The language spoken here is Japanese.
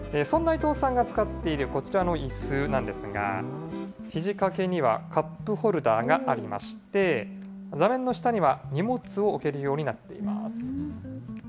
そんな伊藤さんが使っているこちらのいすなんですが、ひじ掛けにはカップホルダーがありまして、座面の下には荷物を置けるようになっています。